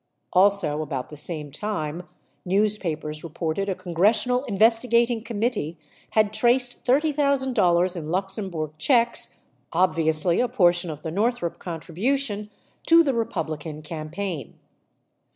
Also, about the same time, newspapers reported a congressional investigating committee had traced $30,000 in Luxembourg checks, obviously a portion of the Northrop contribution, to the Republican campaign.